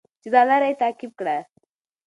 چې دا لاره یې تعقیب کړه.